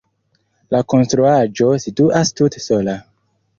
La konstruaĵo situas tute sola.